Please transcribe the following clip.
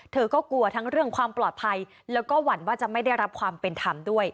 เธอก็กลัวทั้งเรื่องความปลอดภัยแล้วก็หวั่นว่าจะไม่ได้รับความเป็นธรรมด้วย